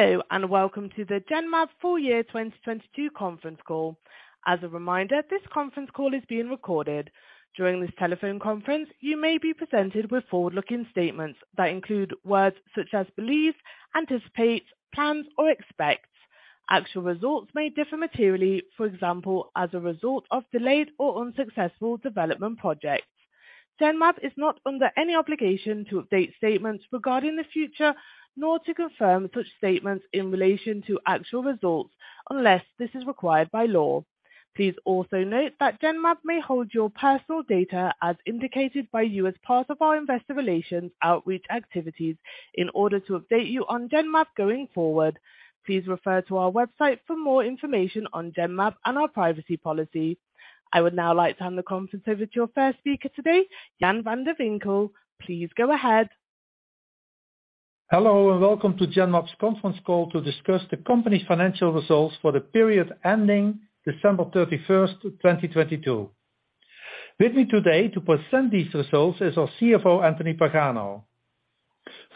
Hello, welcome to the Genmab full year 2022 conference call. As a reminder, this conference call is being recorded. During this telephone conference, you may be presented with forward-looking statements that include words such as believe, anticipate, plans or expects. Actual results may differ materially, for example, as a result of delayed or unsuccessful development projects. Genmab is not under any obligation to update statements regarding the future, nor to confirm such statements in relation to actual results unless this is required by law. Please also note that Genmab may hold your personal data as indicated by you as part of our investor relations outreach activities in order to update you on Genmab going forward. Please refer to our website for more information on Genmab and our privacy policy. I would now like to hand the conference over to your first speaker today, Jan van de Winkel. Please go ahead. Hello, and welcome to Genmab's conference call to discuss the company's financial results for the period ending December 31st, 2022. With me today to present these results is our CFO Anthony Pagano.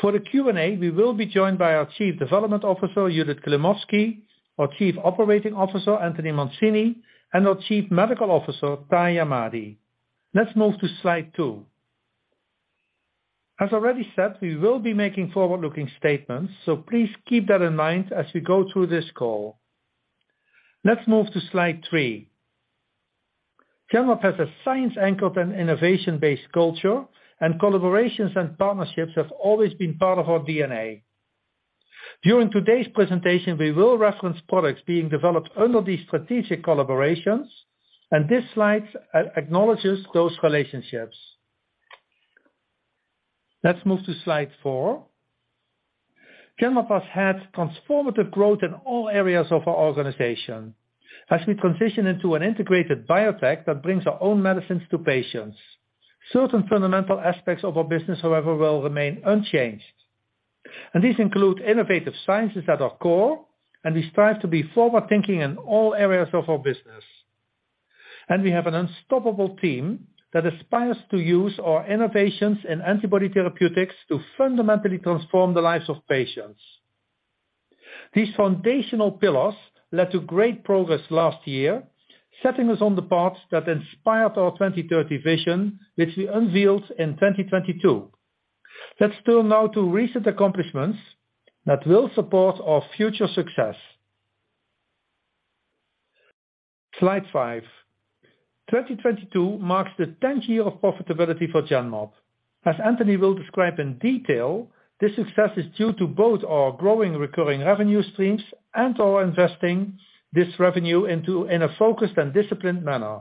For the Q&A, we will be joined by our Chief Development Officer Judith Klimovsky, our Chief Operating Officer Anthony Mancini, and our Chief Medical Officer Tahi Ahmadi. Let's move to slide two. As already said, we will be making forward-looking statements, so please keep that in mind as we go through this call. Let's move to slide three. Genmab has a science anchor and innovation-based culture, and collaborations and partnerships have always been part of our DNA. During today's presentation, we will reference products being developed under these strategic collaborations, and this slide acknowledges those relationships. Let's move to slide four. Genmab has had transformative growth in all areas of our organization. As we transition into an integrated biotech that brings our own medicines to patients. Certain fundamental aspects of our business, however, will remain unchanged. These include innovative sciences at our core, and we strive to be forward-thinking in all areas of our business. We have an unstoppable team that aspires to use our innovations in antibody therapeutics to fundamentally transform the lives of patients. These foundational pillars led to great progress last year, setting us on the path that inspired our 2030 vision, which we unveiled in 2022. Let's turn now to recent accomplishments that will support our future success. Slide five. 2022 marks the 10th year of profitability for Genmab. As Anthony will describe in detail, this success is due to both our growing recurring revenue streams and our investing this revenue into a focused and disciplined manner.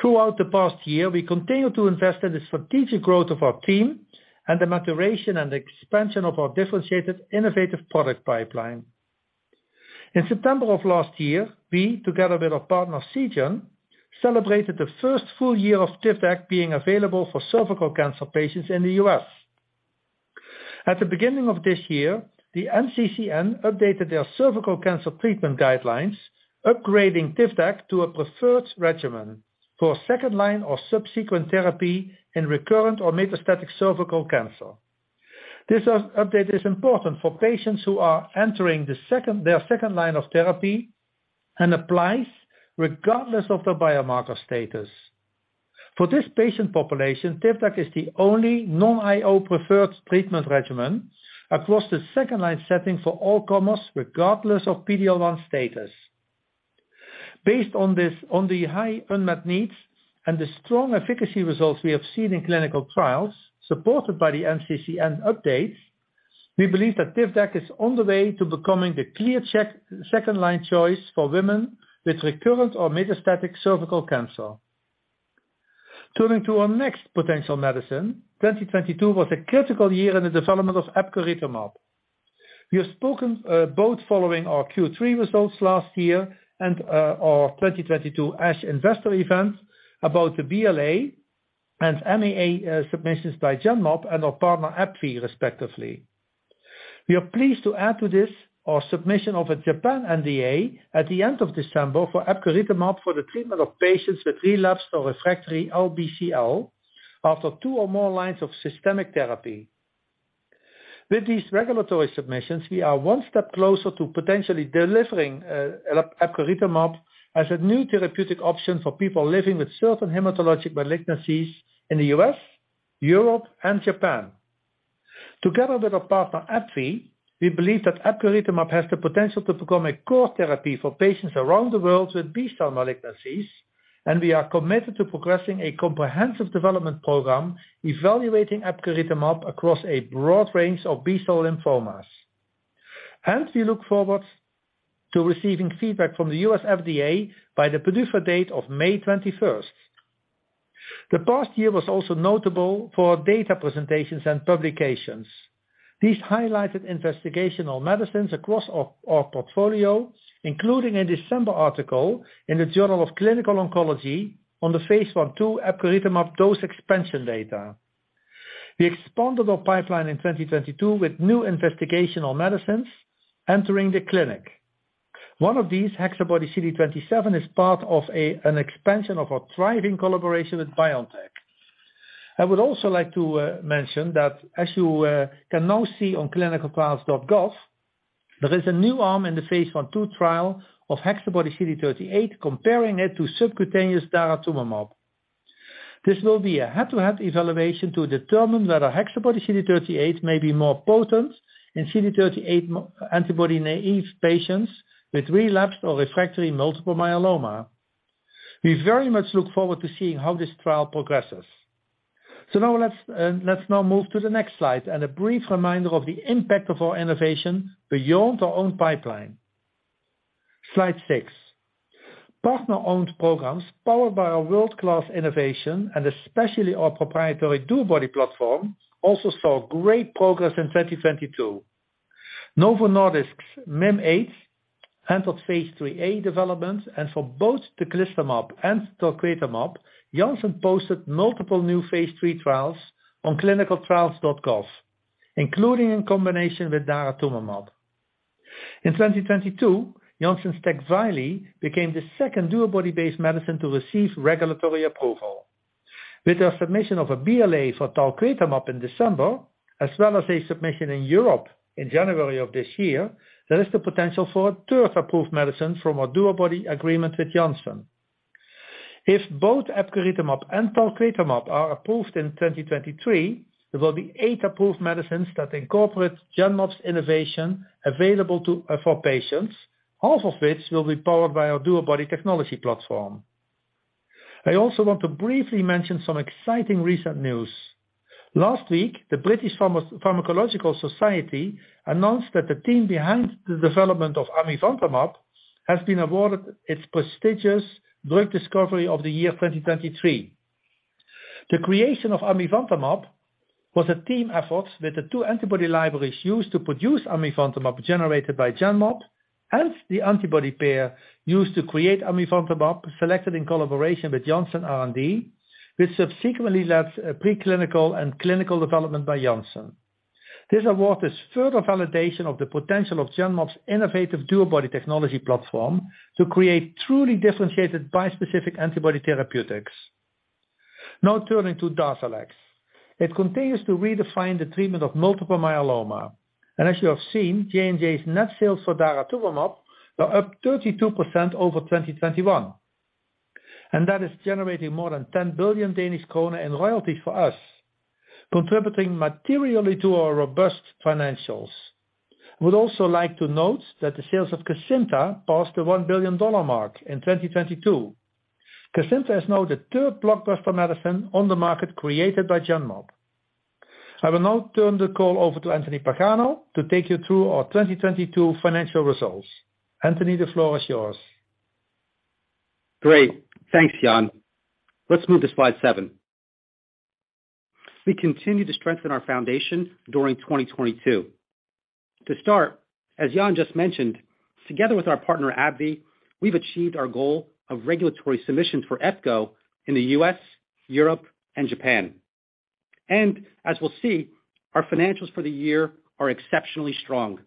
Throughout the past year, we continue to invest in the strategic growth of our team and the maturation and expansion of our differentiated innovative product pipeline. In September of last year, we, together with our partner Seagen, celebrated the first full year of TIVDAK being available for cervical cancer patients in the U.S. At the beginning of this year, the NCCN updated their cervical cancer treatment guidelines, upgrading TIVDAK to a preferred regimen for second-line or subsequent therapy in recurrent or metastatic cervical cancer. This update is important for patients who are entering their second line of therapy and applies regardless of their biomarker status. For this patient population, TIVDAK is the only non-IO preferred treatment regimen across the second-line setting for all comers, regardless of PD-L1 status. Based on this, on the high unmet needs and the strong efficacy results we have seen in clinical trials supported by the NCCN update, we believe that TIVDAK is on the way to becoming the clear second line choice for women with recurrent or metastatic cervical cancer. Turning to our next potential medicine, 2022 was a critical year in the development of epcoritamab. We have spoken both following our Q3 results last year and our 2022 ASH investor event about the BLA and MLA submissions by Genmab and our partner AbbVie, respectively. We are pleased to add to this our submission of a Japan NDA at the end of December for epcoritamab for the treatment of patients with relapsed or refractory LBCL after two or more lines of systemic therapy. With these regulatory submissions, we are one step closer to potentially delivering epcoritamab as a new therapeutic option for people living with certain hematologic malignancies in the U.S., Europe, and Japan. Together with our partner, AbbVie, we believe that epcoritamab has the potential to become a core therapy for patients around the world with B-cell malignancies, and we are committed to progressing a comprehensive development program evaluating epcoritamab across a broad range of B-cell lymphomas. We look forward to receiving feedback from the U.S. FDA by the PDUFA date of May 21st. The past year was also notable for data presentations and publications. These highlighted investigational medicines across our portfolio, including a December article in the Journal of Clinical Oncology on the phase I-II epcoritamab dose expansion data. We expanded our pipeline in 2022 with new investigational medicines entering the clinic. One of these, HexaBody-CD27, is part of an expansion of our thriving collaboration with BioNTech. I would also like to mention that as you can now see on ClinicalTrials.gov, there is a new arm in the phase I trial of HexaBody-CD38, comparing it to subcutaneous daratumumab. This will be a head-to-head evaluation to determine whether HexaBody-CD38 may be more potent in CD38 antibody-naive patients with relapsed or refractory multiple myeloma. We very much look forward to seeing how this trial progresses. now let's now move to the next slide and a brief reminder of the impact of our innovation beyond our own pipeline. Slide six. Partner-owned programs powered by our world-class innovation and especially our proprietary DuoBody platform, also saw great progress in 2022. Novo Nordisk's Mim8 entered phase III-A development, and for both teclistamab and talquetamab, Janssen posted multiple new phase III trials on ClinicalTrials.gov, including in combination with daratumumab. In 2022, Janssen's TECVAYLI became the second DuoBody-based medicine to receive regulatory approval. With the submission of a BLA for talquetamab in December, as well as a submission in Europe in January of this year, there is the potential for a third approved medicine from our DuoBody agreement with Janssen. If both epcoritamab and talquetamab are approved in 2023, there will be eight approved medicines that incorporate Genmab's innovation available to for patients, half of which will be powered by our DuoBody technology platform. I also want to briefly mention some exciting recent news. Last week, the British Pharmacological Society announced that the team behind the development of amivantamab has been awarded its prestigious Drug Discovery of the Year 2023. The creation of amivantamab was a team effort with the two antibody libraries used to produce amivantamab generated by Genmab, hence the antibody pair used to create amivantamab selected in collaboration with Janssen R&D, which subsequently led to a pre-clinical and clinical development by Janssen. This award is further validation of the potential of Genmab's innovative DuoBody technology platform to create truly differentiated bispecific antibody therapeutics. Turning to DARZALEX. It continues to redefine the treatment of multiple myeloma. As you have seen, J&J's net sales for daratumumab were up 32% over 2021. That is generating more than 10 billion Danish kroner in royalties for us, contributing materially to our robust financials. I would also like to note that the sales of Kesimpta passed the $1 billion mark in 2022. Kesimpta is now the third blockbuster medicine on the market created by Genmab. I will now turn the call over to Anthony Pagano to take you through our 2022 financial results. Anthony, the floor is yours. Great. Thanks, Jan. Let's move to slide seven. We continued to strengthen our foundation during 2022. To start, as Jan just mentioned, together with our partner, AbbVie, we've achieved our goal of regulatory submissions for Epco in the U.S., Europe, and Japan. As we'll see, our financials for the year are exceptionally strong.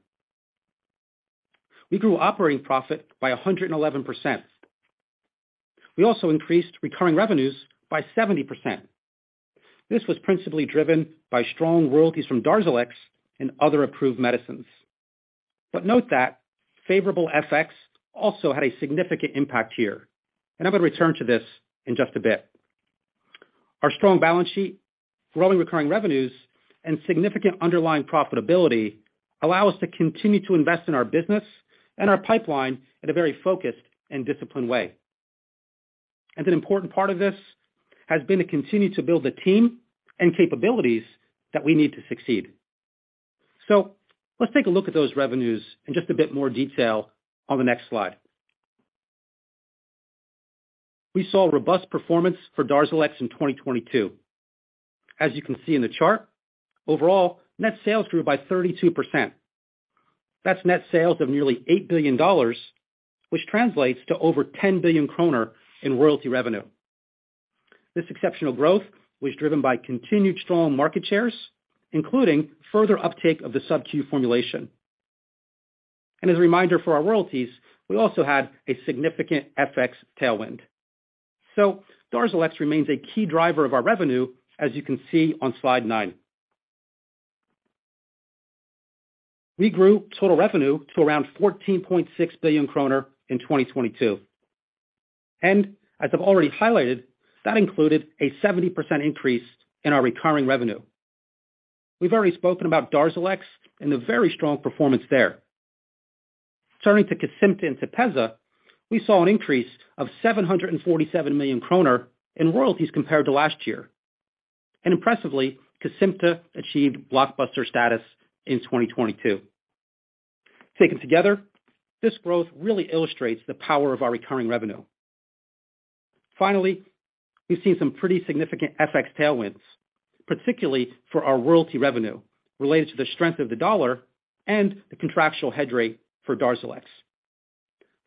We grew operating profit by 111%. We also increased recurring revenues by 70%. This was principally driven by strong royalties from DARZALEX and other approved medicines. Note that favorable FX also had a significant impact here, and I'm going to return to this in just a bit. Our strong balance sheet, growing recurring revenues, and significant underlying profitability allow us to continue to invest in our business and our pipeline in a very focused and disciplined way. An important part of this has been to continue to build the team and capabilities that we need to succeed. Let's take a look at those revenues in just a bit more detail on the next slide. We saw robust performance for DARZALEX in 2022. As you can see in the chart, overall net sales grew by 32%. That's net sales of nearly $8 billion, which translates to over 10 billion kroner in royalty revenue. This exceptional growth was driven by continued strong market shares, including further uptake of the subQ formulation. As a reminder for our royalties, we also had a significant FX tailwind. DARZALEX remains a key driver of our revenue, as you can see on slide nine. We grew total revenue to around 14.6 billion kroner in 2022. As I've already highlighted, that included a 70% increase in our recurring revenue. We've already spoken about DARZALEX and the very strong performance there. Turning to Kesimpta and TEPEZZA, we saw an increase of 747 million kroner in royalties compared to last year. Impressively, Kesimpta achieved blockbuster status in 2022. Taken together, this growth really illustrates the power of our recurring revenue. Finally, we've seen some pretty significant FX tailwinds, particularly for our royalty revenue related to the strength of the U.S. dollar and the contractual hedge rate for DARZALEX.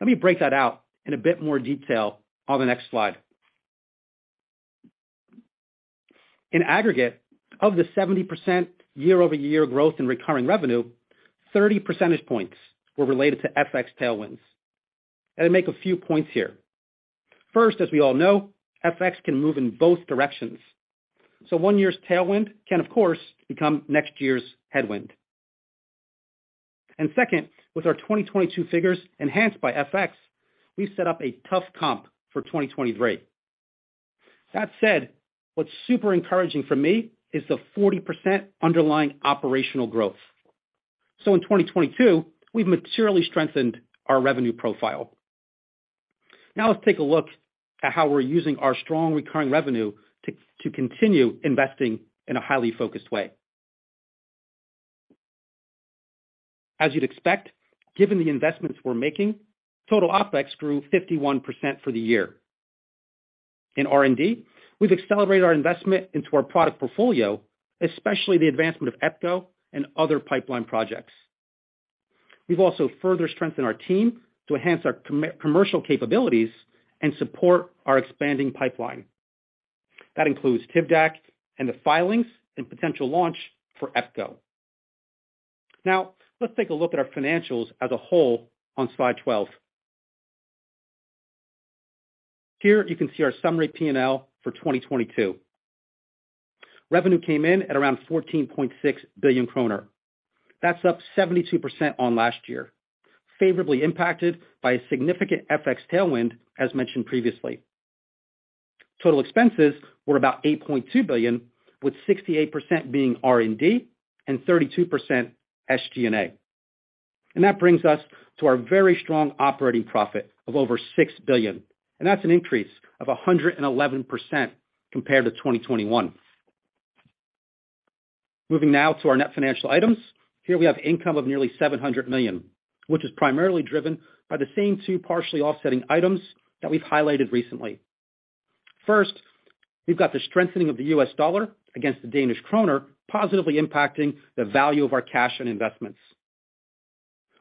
Let me break that out in a bit more detail on the next slide. In aggregate, of the 70% year-over-year growth in recurring revenue, 30 percentage points were related to FX tailwinds. I'll make a few points here. First, as we all know, FX can move in both directions. One year's tailwind can of course become next year's headwind. Second, with our 2022 figures enhanced by FX, we set up a tough comp for 2023. That said, what's super encouraging for me is the 40% underlying operational growth. In 2022, we've materially strengthened our revenue profile. Now let's take a look at how we're using our strong recurring revenue to continue investing in a highly focused way. As you'd expect, given the investments we're making, total OpEx grew 51% for the year. In R&D, we've accelerated our investment into our product portfolio, especially the advancement of Epco and other pipeline projects. We've also further strengthened our team to enhance our commercial capabilities and support our expanding pipeline. That includes TIVDAK and the filings and potential launch for Epco. Let's take a look at our financials as a whole on slide 12. Here you can see our summary P&L for 2022. Revenue came in at around 14.6 billion kroner. That's up 72% on last year, favorably impacted by a significant FX tailwind as mentioned previously. Total expenses were about 8.2 billion, with 68% being R&D and 32% SG&A. That brings us to our very strong operating profit of over 6 billion. That's an increase of 111% compared to 2021. Moving now to our net financial items. Here we have income of nearly 700 million, which is primarily driven by the same two partially offsetting items that we've highlighted recently. First, we've got the strengthening of the U.S. dollar against the Danish kroner positively impacting the value of our cash and investments.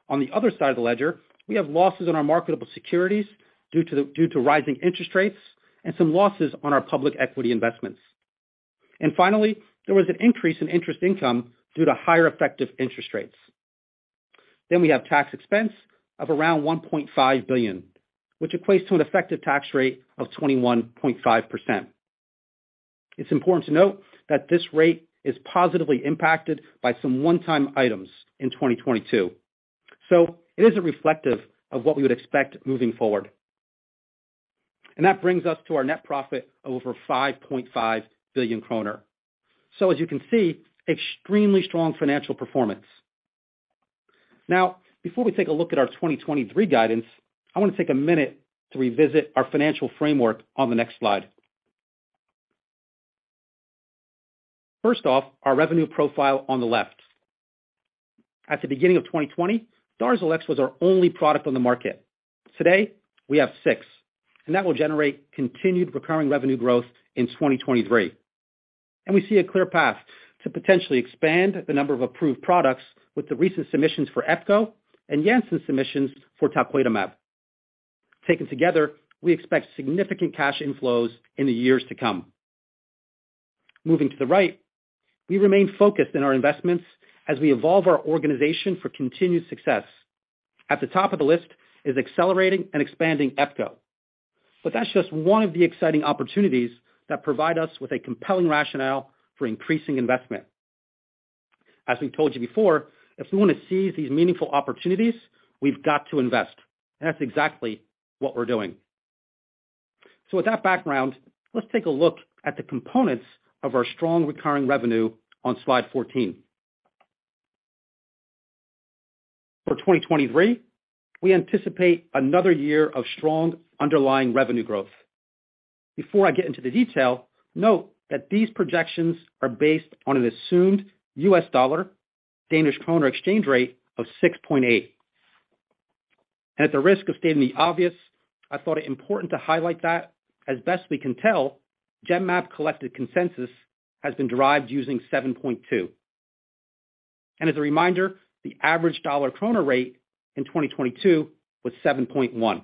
On the other side of the ledger, we have losses on our marketable securities due to rising interest rates and some losses on our public equity investments. Finally, there was an increase in interest income due to higher effective interest rates. We have tax expense of around 1.5 billion, which equates to an effective tax rate of 21.5%. It's important to note that this rate is positively impacted by some one-time items in 2022. It isn't reflective of what we would expect moving forward. That brings us to our net profit of over 5.5 billion kroner. As you can see, extremely strong financial performance. Now, before we take a look at our 2023 guidance, I want to take a minute to revisit our financial framework on the next slide. First off, our revenue profile on the left. At the beginning of 2020, DARZALEX was our only product on the market. Today, we have six, that will generate continued recurring revenue growth in 2023. We see a clear path to potentially expand the number of approved products with the recent submissions for epco and Janssen submissions for talquetamab. Taken together, we expect significant cash inflows in the years to come. Moving to the right, we remain focused in our investments as we evolve our organization for continued success. At the top of the list is accelerating and expanding epco. That's just one of the exciting opportunities that provide us with a compelling rationale for increasing investment. As we've told you before, if we want to seize these meaningful opportunities, we've got to invest. That's exactly what we're doing. With that background, let's take a look at the components of our strong recurring revenue on slide 14. For 2023, we anticipate another year of strong underlying revenue growth. Before I get into the detail, note that these projections are based on an assumed U.S. dollar Danish kroner exchange rate of 6.8. At the risk of stating the obvious, I thought it important to highlight that as best we can tell, Genmab collected consensus has been derived using 7.2. As a reminder, the average dollar kroner rate in 2022 was 7.1.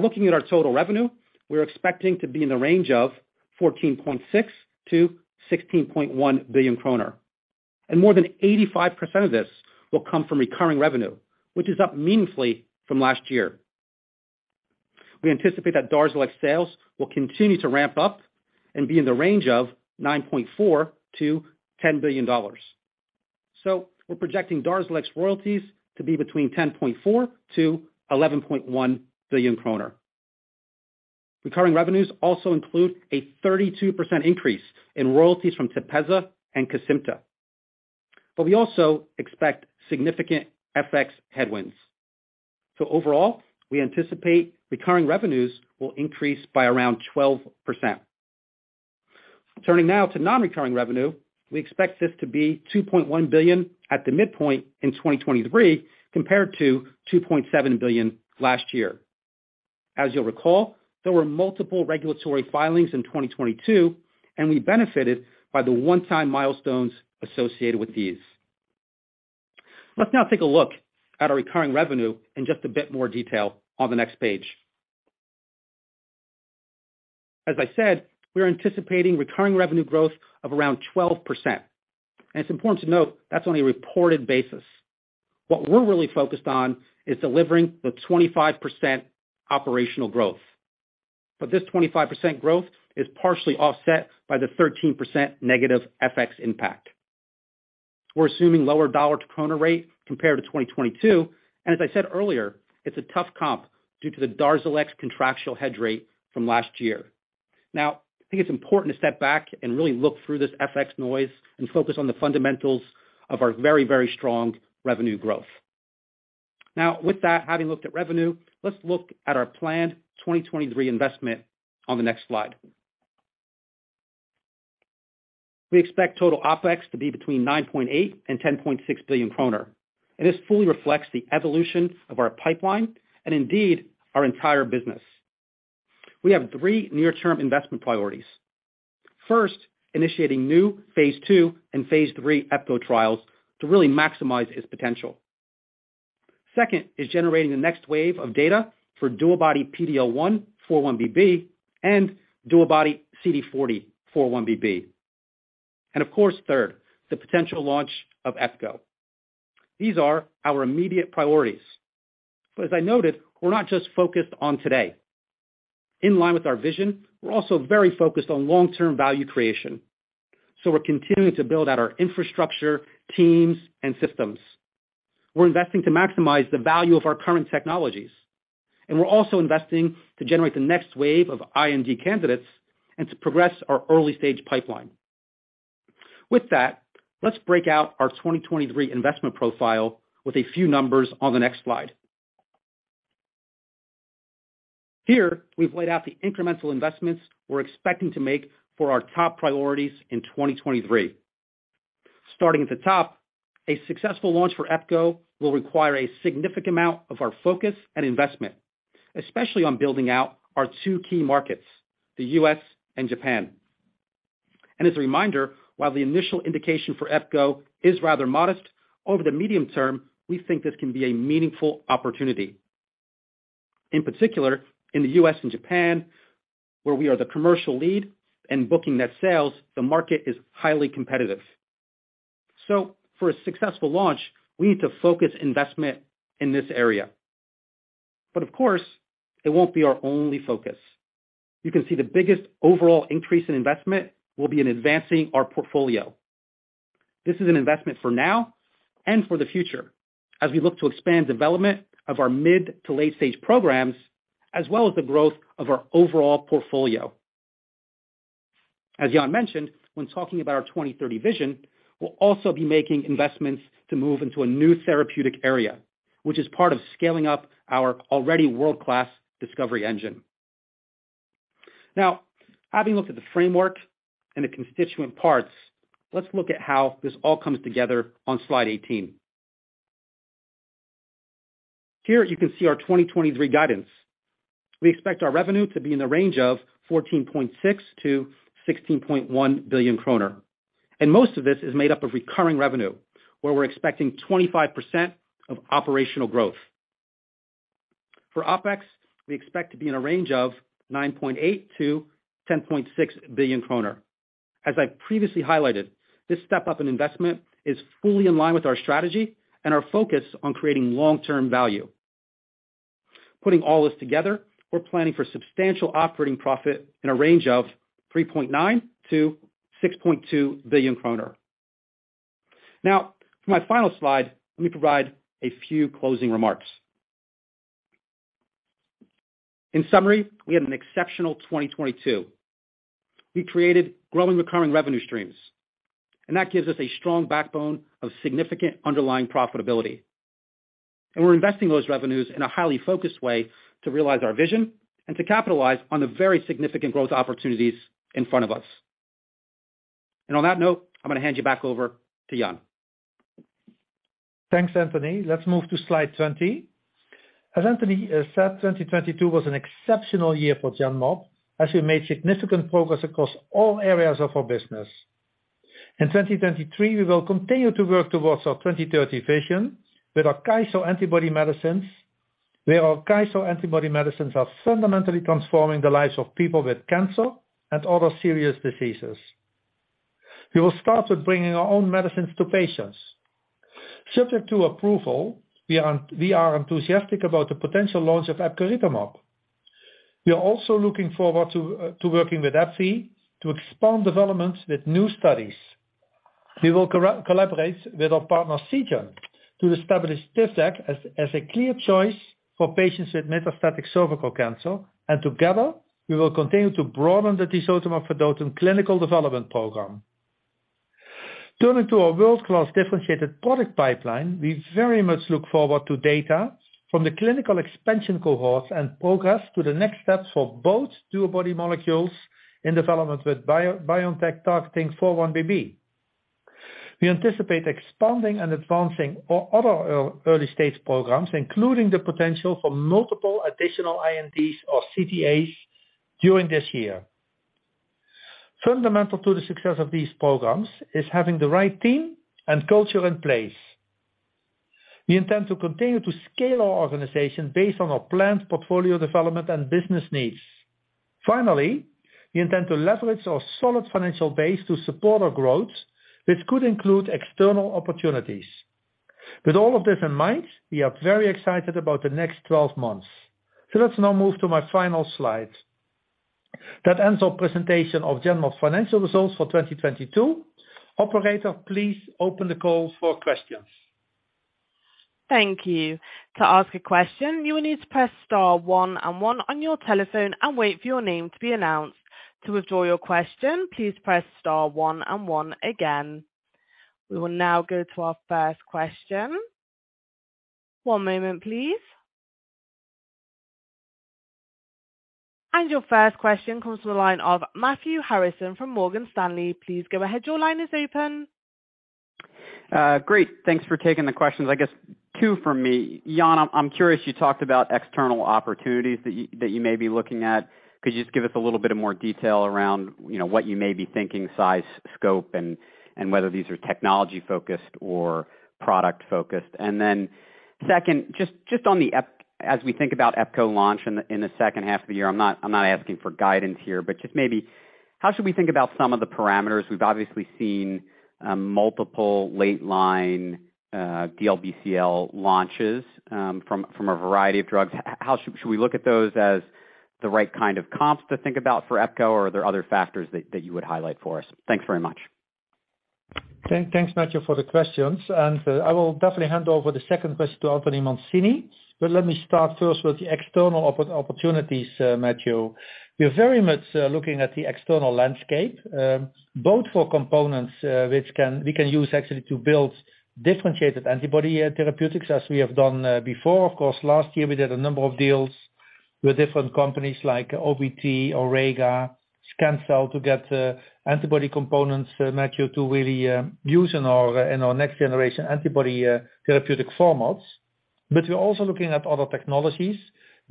Looking at our total revenue, we're expecting to be in the range of 14.6 billion-16.1 billion kroner. More than 85% of this will come from recurring revenue, which is up meaningfully from last year. We anticipate that DARZALEX sales will continue to ramp up and be in the range of $9.4 billion-$10 billion. We're projecting DARZALEX royalties to be between 10.4 billion-11.1 billion kroner. Recurring revenues also include a 32% increase in royalties from TEPEZZA and Kesimpta. We also expect significant FX headwinds. Overall, we anticipate recurring revenues will increase by around 12%. Turning now to non-recurring revenue, we expect this to be 2.1 billion at the midpoint in 2023, compared to 2.7 billion in 2022. As you'll recall, there were multiple regulatory filings in 2022, and we benefited by the one-time milestones associated with these. Let's now take a look at our recurring revenue in just a bit more detail on the next page. As I said, we are anticipating recurring revenue growth of around 12%. It's important to note that's only a reported basis. What we're really focused on is delivering the 25% operational growth. This 25% growth is partially offset by the 13% negative FX impact. We're assuming lower dollar to kroner rate compared to 2022, and as I said earlier, it's a tough comp due to the DARZALEX contractual hedge rate from last year. I think it's important to step back and really look through this FX noise and focus on the fundamentals of our very, very strong revenue growth. With that, having looked at revenue, let's look at our planned 2023 investment on the next slide. We expect total OpEx to be between 9.8 billion and 10.6 billion kroner, this fully reflects the evolution of our pipeline and indeed our entire business. We have three near-term investment priorities. First, initiating new phase II and phase III epco trials to really maximize its potential. Second is generating the next wave of data for DuoBody PD-L1 4-1BB and DuoBody CD40 4-1BB. Of course, third, the potential launch of epco. These are our immediate priorities. As I noted, we're not just focused on today. In line with our vision, we're also very focused on long-term value creation. We're continuing to build out our infrastructure, teams, and systems. We're investing to maximize the value of our current technologies, and we're also investing to generate the next wave of IND candidates and to progress our early-stage pipeline. With that, let's break out our 2023 investment profile with a few numbers on the next slide. Here, we've laid out the incremental investments we're expecting to make for our top priorities in 2023. Starting at the top, a successful launch for epco will require a significant amount of our focus and investment, especially on building out our two key markets, the U.S. and Japan. As a reminder, while the initial indication for epco is rather modest, over the medium term, we think this can be a meaningful opportunity. In particular, in the U.S. and Japan, where we are the commercial lead and booking net sales, the market is highly competitive. For a successful launch, we need to focus investment in this area. Of course, it won't be our only focus. You can see the biggest overall increase in investment will be in advancing our portfolio. This is an investment for now and for the future as we look to expand development of our mid to late-stage programs, as well as the growth of our overall portfolio. As Jan mentioned, when talking about our 2030 vision, we'll also be making investments to move into a new therapeutic area, which is part of scaling up our already world-class discovery engine. Having looked at the framework and the constituent parts, let's look at how this all comes together on slide 18. Here, you can see our 2023 guidance. We expect our revenue to be in the range of 14.6 billion-16.1 billion kroner. Most of this is made up of recurring revenue, where we're expecting 25% of operational growth. For OpEx, we expect to be in a range of 9.8 billion-10.6 billion kroner. As I previously highlighted, this step-up in investment is fully in line with our strategy and our focus on creating long-term value. Putting all this together, we're planning for substantial operating profit in a range of 3.9 billion-6.2 billion kroner. For my final slide, let me provide a few closing remarks. In summary, we had an exceptional 2022. We created growing recurring revenue streams, and that gives us a strong backbone of significant underlying profitability. We're investing those revenues in a highly focused way to realize our vision and to capitalize on the very significant growth opportunities in front of us. On that note, I'm going to hand you back over to Jan. Thanks, Anthony. Let's move to slide 20. As Anthony said, 2022 was an exceptional year for Genmab as we made significant progress across all areas of our business. In 2023, we will continue to work towards our 2030 vision with our KYSO antibody medicines, where our KYSO antibody medicines are fundamentally transforming the lives of people with cancer and other serious diseases. We will start with bringing our own medicines to patients. Subject to approval, we are enthusiastic about the potential launch of epcoritamab. We are also looking forward to working with AbbVie to expand developments with new studies. We will collaborate with our partner Seagen to establish TIVDAK as a clear choice for patients with metastatic cervical cancer. Together, we will continue to broaden the tisotumab vedotin clinical development program. Turning to our world-class differentiated product pipeline, we very much look forward to data from the clinical expansion cohorts and progress to the next steps for both DuoBody molecules in development with BioNTech targeting 4-1BB. We anticipate expanding and advancing other early stage programs, including the potential for multiple additional INDs or CTAs during this year. Fundamental to the success of these programs is having the right team and culture in place. We intend to continue to scale our organization based on our planned portfolio development and business needs. We intend to leverage our solid financial base to support our growth, which could include external opportunities. With all of this in mind, we are very excited about the next 12 months. Let's now move to my final slide. That ends our presentation of Genmab's financial results for 2022.Operator, please open the call for questions. Thank you. To ask a question, you will need to press star one and one on your telephone and wait for your name to be announced. To withdraw your question, please press star one and one again. We will now go to our first question. One moment, please. Your first question comes from the line of Matthew Harrison from Morgan Stanley. Please go ahead. Your line is open. Great. Thanks for taking the questions. I guess two from me. Jan, I'm curious, you talked about external opportunities that you may be looking at. Could you just give us a little bit of more detail around, you know, what you may be thinking, size, scope, and whether these are technology-focused or product-focused. Then second, just on the epcoritamab launch in the second half of the year, I'm not asking for guidance here, but just maybe how should we think about some of the parameters? We've obviously seen multiple late line DLBCL launches from a variety of drugs. How should we look at those as the right kind of comps to think about for epcoritamab, or are there other factors that you would highlight for us? Thanks very much. Thanks, Matthew, for the questions. I will definitely hand over the second question to Anthony Mancini. Let me start first with the external opportunities, Matthew. We are very much looking at the external landscape, both for components which we can use actually to build differentiated antibody therapeutics as we have done before. Of course, last year we did a number of deals with different companies like OBT, OREGA Scancell to get antibody components, Matthew, to really use in our next generation antibody therapeutic formats. We're also looking at other technologies,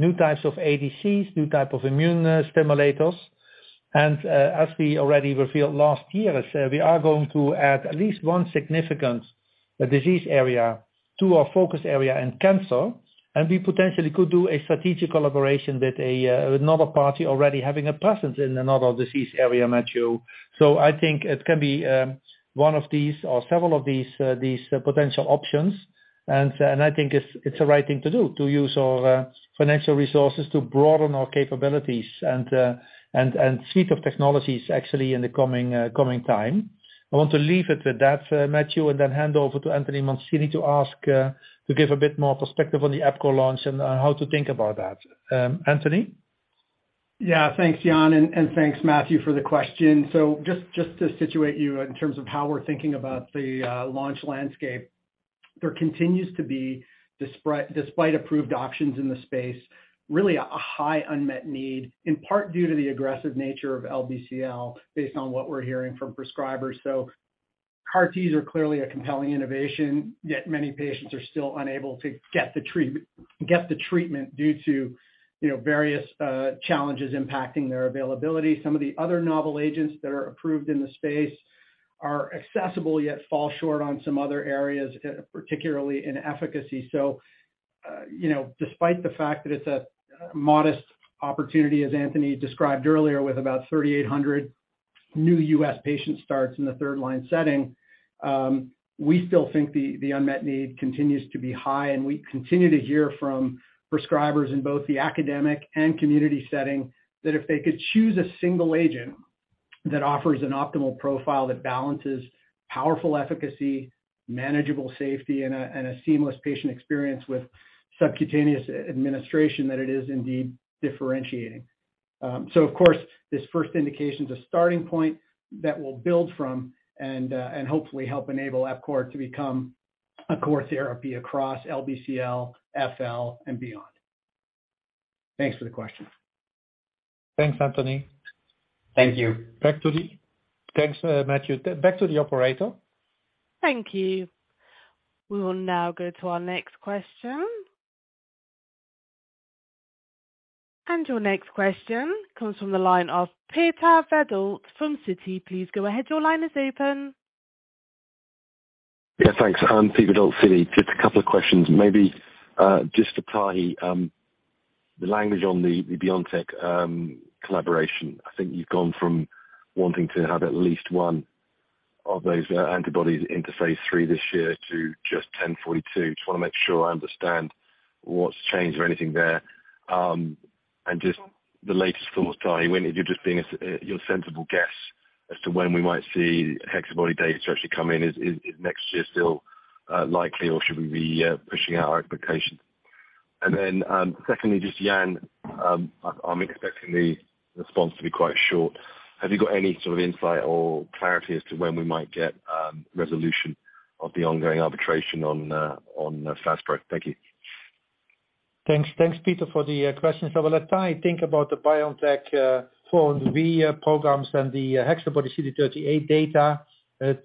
new types of ADCs, new type of immune stimulators. As we already revealed last year, we are going to add at least one significant disease area to our focus area in cancer, and we potentially could do a strategic collaboration with another party already having a presence in another disease area, Matthew. I think it can be one of these or several of these potential options. I think it's the right thing to do, to use our financial resources to broaden our capabilities and suite of technologies actually in the coming time. I want to leave it at that, Matthew, and then hand over to Anthony Mancini to ask to give a bit more perspective on the epco launch and how to think about that. Anthony? Thanks, Jan, and thanks, Matthew, for the question. Just to situate you in terms of how we're thinking about the launch landscape, there continues to be, despite approved options in the space, really a high unmet need, in part due to the aggressive nature of LBCL based on what we're hearing from prescribers. CAR-Ts are clearly a compelling innovation, yet many patients are still unable to get the treatment due to, you know, various challenges impacting their availability. Some of the other novel agents that are approved in the space are accessible yet fall short on some other areas, particularly in efficacy. You know, despite the fact that it's a modest opportunity, as Anthony described earlier, with about 3,800 new U.S. patient starts in the third-line setting, we still think the unmet need continues to be high. We continue to hear from prescribers in both the academic and community setting that if they could choose a single agent that offers an optimal profile that balances powerful efficacy, manageable safety, and a seamless patient experience with subcutaneous administration, that it is indeed differentiating. Of course this first indication is a starting point that we'll build from and hopefully help enable EPKINLY to become a core therapy across LBCL, FL, and beyond. Thanks for the question. Thanks, Anthony. Thank you. Thanks, Matthew. Back to the operator. Thank you. We will now go to our next question. Your next question comes from the line of Peter Verdult from Citi. Please go ahead. Your line is open. Yeah, thanks. I'm Peter Verdult, Citi. Just a couple of questions. Maybe, just to Tahi, the language on the BioNTech collaboration. I think you've gone from wanting to have at least one of those antibodies into phase III this year to just GEN1042. Just want to make sure I understand what's changed or anything there. Just the latest thoughts, Tahi, when, if you're just being as your sensible guess as to when we might see HexaBody data to actually come in. Is next year still likely, or should we be pushing out our expectations? Secondly, just Jan, I'm expecting the response to be quite short. Have you got any sort of insight or clarity as to when we might get resolution of the ongoing arbitration on DARZALEX FASPRO? Thank you. Thanks, Peter, for the questions. I will let Tahi think about the BioNTech for the V programs and the HexaBody-CD38 data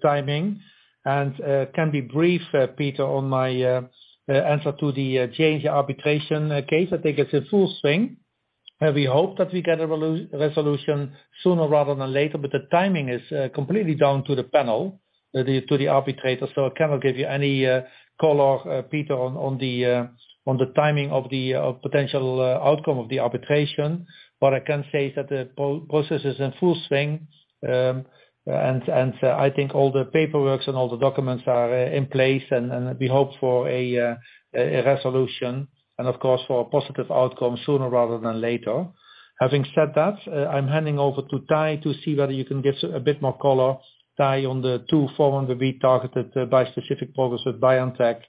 timing, and can be brief, Peter, on my answer to the change arbitration case. I think it's in full swing. We hope that we get a resolution sooner rather than later, the timing is completely down to the panel, to the arbitrator, I cannot give you any color, Peter, on the timing of the potential outcome of the arbitration. What I can say is that the pro-process is in full swing, and I think all the paperworks and all the documents are in place and we hope for a resolution and of course, for a positive outcome sooner rather than later. Having said that, I'm handing over to Tahi to see whether you can give a bit more color, Tahi, on the two forms that we targeted, the bispecific programs with BioNTech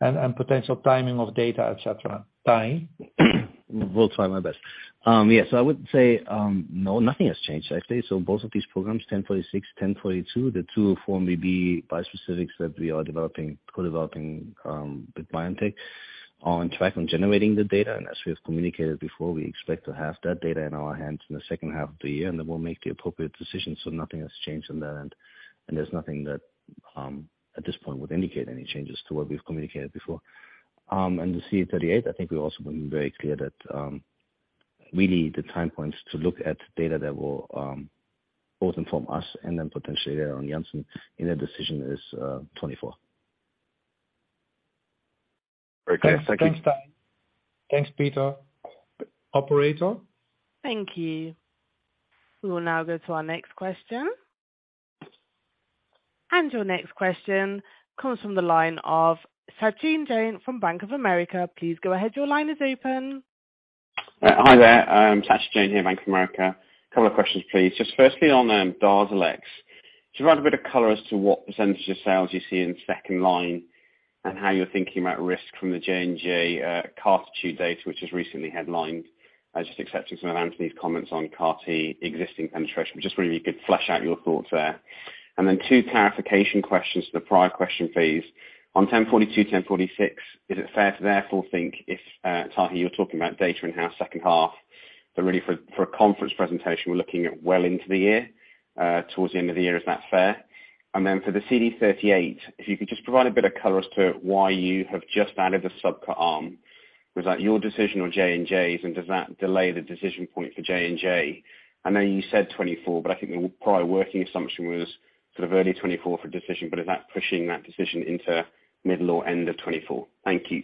and potential timing of data, et cetera. Tahi. Will try my best. Yes, I would say, no, nothing has changed actually. Both of these programs, GEN1046, GEN1042, the two form maybe bispecifics that we are co-developing with BioNTech, are on track on generating the data. As we have communicated before, we expect to have that data in our hands in the second half of the year, and then we'll make the appropriate decisions. Nothing has changed on that end, and there's nothing that at this point would indicate any changes to what we've communicated before. The CD38, I think we've also been very clear that really the time points to look at data that will both inform us and then potentially there on Janssen in a decision is 24. Very clear. Thank you. Thanks, Tahi. Thanks, Peter. Operator? Thank you. We will now go to our next question. Your next question comes from the line of Sachin Jain from Bank of America. Please go ahead. Your line is open. Hi there. Sachin Jain here, Bank of America. Couple of questions, please. Just firstly on DARZALEX. Just provide a bit of color as to what percentage of sales you see in second line and how you're thinking about risk from the J&J CARTITUDE data, which was recently headlined. I was just accepting some of Anthony's comments on CAR-T existing penetration. Just wonder if you could flesh out your thoughts there. Then two clarification questions to the prior question, please. On GEN1042, GEN1046, is it fair to therefore think if Tahi, you're talking about data in-house second half, but really for a conference presentation, we're looking at well into the year, towards the end of the year, is that fair? For the CD38, if you could just provide a bit of color as to why you have just added the subQ arm. Was that your decision or J&J's? Does that delay the decision point for J&J? I know you said 2024, but I think the prior working assumption was sort of early 2024 for decision, but is that pushing that decision into middle or end of 2024? Thank you.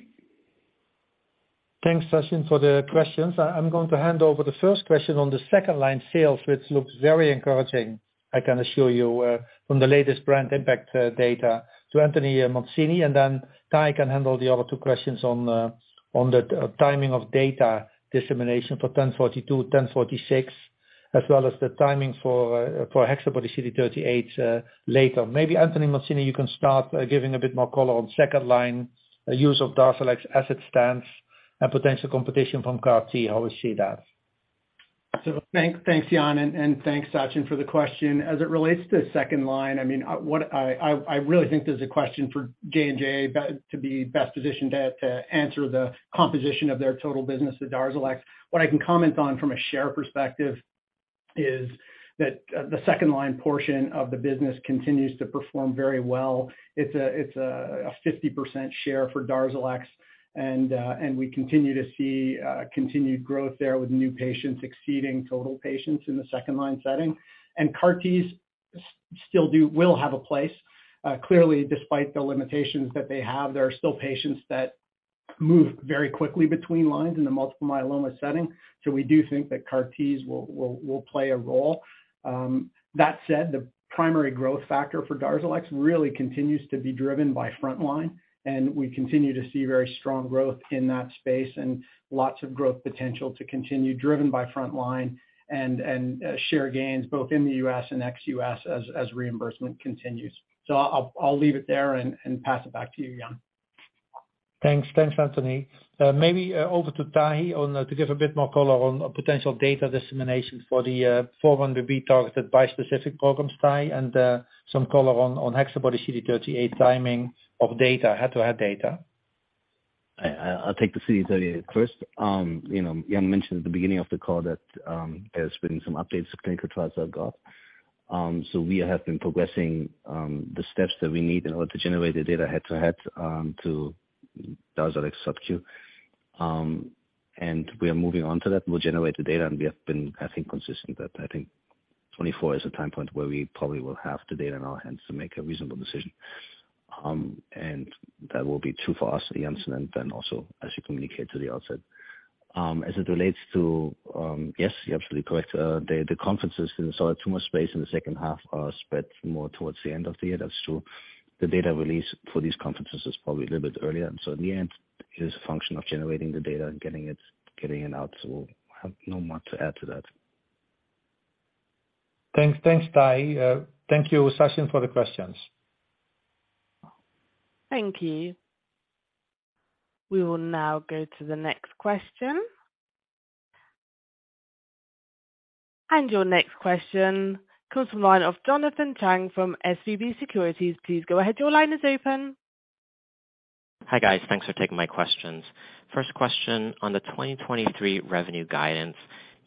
Thanks, Sachin, for the questions. I'm going to hand over the first question on the second line sales, which looks very encouraging, I can assure you, from the latest brand impact data to Anthony Mancini, and then Tahi can handle the other two questions on the timing of data dissemination for 1042, 1046, as well as the timing for HexaBody-CD38 later. Maybe Anthony Mancini, you can start by giving a bit more color on second line use of DARZALEX as it stands and potential competition from CAR-T, how we see that. Thanks, Jan, and thanks, Sachin, for the question. As it relates to second line, I mean, what I really think there's a question for J&J to be best positioned to answer the composition of their total business with DARZALEX. What I can comment on from a share perspective is that the second line portion of the business continues to perform very well. It's a 50% share for DARZALEX and we continue to see continued growth there with new patients exceeding total patients in the second line setting. CAR-Ts still do will have a place. Clearly, despite the limitations that they have, there are still patients that move very quickly between lines in the multiple myeloma setting. We do think that CAR-Ts will play a role. That said, the primary growth factor for DARZALEX really continues to be driven by frontline, and we continue to see very strong growth in that space and lots of growth potential to continue, driven by frontline and share gains both in the U.S. and ex-U.S. as reimbursement continues. I'll leave it there and pass it back to you, Jan. Thanks. Thanks, Anthony. Maybe over to Tahi to give a bit more color on potential data dissemination for the 4-1BB targeted bispecific programs, Tahi, and some color on HexaBody-CD38 timing of data, head-to-head data. I'll take the CD38 first. You know, Jan mentioned at the beginning of the call that there's been some updates to clinical trials I've got. So we have been progressing the steps that we need in order to generate the data head to head to DARZALEX subQ. We are moving on to that. We'll generate the data, and we have been, I think, consistent that I think 2024 is the time point where we probably will have the data in our hands to make a reasonable decision. That will be true for us at Janssen and then also as you communicate to the outside. As it relates to, yes, you're absolutely correct. The conferences inside tumor space in the second half are spread more towards the end of the year. That's true. The data release for these conferences is probably a little bit earlier. In the end, it is a function of generating the data and getting it out. I have no more to add to that. Thanks. Thanks, Tahi. Thank you, Sachin, for the questions. Thank you. We will now go to the next question. Your next question comes from the line of Jonathan Chang from SVB Securities. Please go ahead. Your line is open. Hi, guys. Thanks for taking my questions. First question, on the 2023 revenue guidance,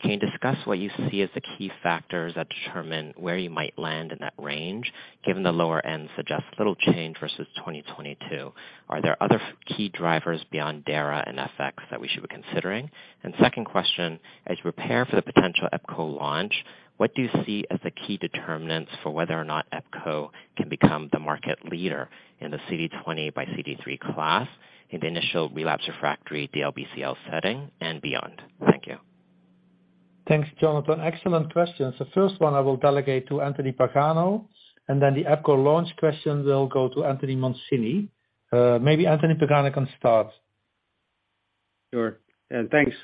can you discuss what you see as the key factors that determine where you might land in that range, given the lower end suggests little change versus 2022? Are there other key drivers beyond DARZA and FX that we should be considering? Second question, as you prepare for the potential epcoritamab launch, what do you see as the key determinants for whether or not epcoritamab can become the market leader in the CD20 by CD3 class in the initial relapse refractory DLBCL setting and beyond? Thank you. Thanks, Jonathan. Excellent questions. The first one I will delegate to Anthony Pagano, and then the epco launch question will go to Anthony Mancini. Maybe Anthony Pagano can start. Sure. Thanks,